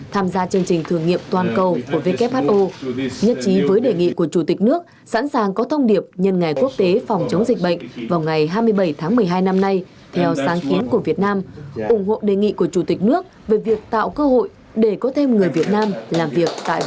tham gia chương trình thử nghiệm toàn cầu của who nhất trí với đề nghị của chủ tịch nước sẵn sàng có thông điệp nhân ngày quốc tế phòng chống dịch bệnh vào ngày hai mươi bảy tháng một mươi hai năm nay theo sáng kiến của việt nam ủng hộ đề nghị của chủ tịch nước về việc tạo cơ hội để có thêm người việt nam làm việc tại